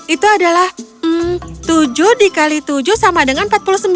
itu adalah tujuh dikali tujuh sama dengan empat puluh sembilan